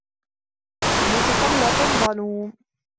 وَمُتَسَلِّطٌ ظَلُومٌ